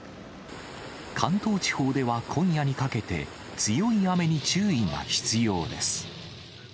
関東地方では今夜にかけて、強い雨に注意が必要です。